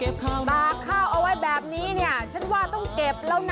ตากข้าวเอาไว้แบบนี้เนี่ยฉันว่าต้องเก็บแล้วนะ